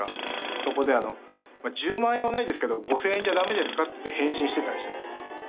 そこで「１０万円はないですけど５０００円じゃダメですか？」って返信してたりしたんですよ。